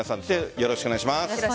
よろしくお願いします。